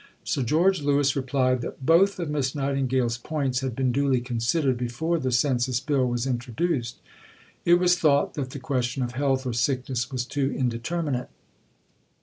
Sir George Lewis replied that "both of Miss Nightingale's points had been duly considered before the Census Bill was introduced. It was thought that the question of health or sickness was too indeterminate."